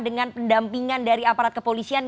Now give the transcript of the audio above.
dengan pendampingan dari aparat kepolisian